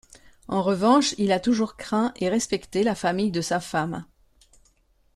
En revanche il a toujours craint et respecté la famille de sa femme.